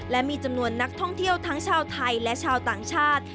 และมีจำนวนนักท่องเที่ยวทั้งชาวไทยและชาวต่างชาติ